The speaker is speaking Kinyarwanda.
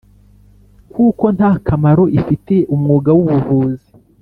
kuko nta kamaro ifitiye umwuga w ubuvuzi